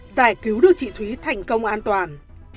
giải cứu được chị thúy thành công an toàn